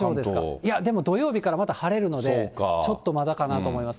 いや、でも土曜日からまた晴れるので、ちょっとまだかなと思います。